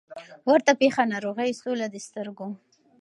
ورته پېښه ناروغي سوله د سترګو